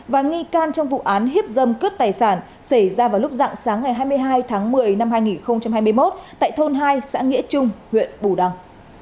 và nghi can trong vụ án hiếp dâm cướp tài sản xảy ra vào lúc dạng sáng ngày hai mươi hai tháng một mươi năm hai nghìn hai mươi một tại thôn hai xã nghĩa trung huyện bù đăng